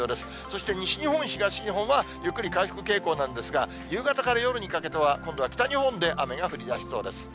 そして西日本、東日本はゆっくり回復傾向なんですが、夕方から夜にかけては、今度は北日本で雨が降りだしそうです。